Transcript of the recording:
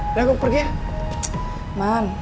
udah aku pergi ya